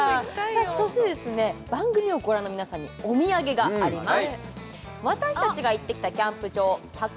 そして番組をご覧の皆さんにお土産があります。